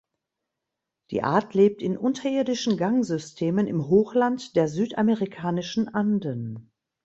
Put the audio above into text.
Die Art lebt in unterirdischen Gangsystemen im Hochland der Südamerikanischen Anden.